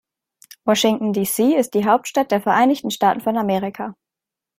Washington, D.C. ist die Hauptstadt der Vereinigten Staaten von Amerika.